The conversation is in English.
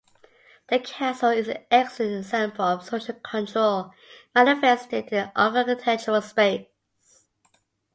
The castle is an excellent example of social control manifested in architectural space.